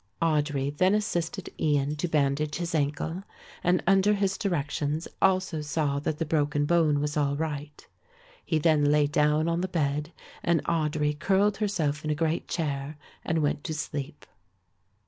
Audry then assisted Ian to bandage his ankle, and under his directions also saw that the broken bone was all right. He then lay down on the bed and Audry curled herself in a great chair and went to sleep.